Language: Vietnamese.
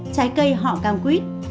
trái cây họ cầm quýt